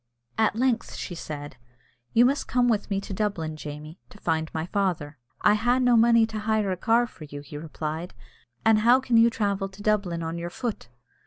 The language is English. At length she said, "You must come with me to Dublin, Jamie, to find my father." "I ha' no money to hire a car for you," he replied, "an' how can you travel to Dublin on your foot?"